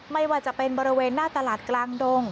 ไม่ว่าจะเป็นบริเวณหน้าตลาดกลางดง